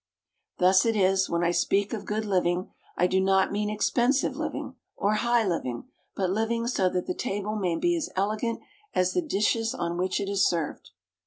Thus it is, when I speak of "good living," I do not mean expensive living or high living, but living so that the table may be as elegant as the dishes on which it is served.